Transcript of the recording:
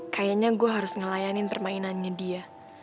kayanya gue harus ngelayanin termainannya dia